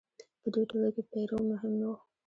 په دوی ټولو کې پیرو مهم و.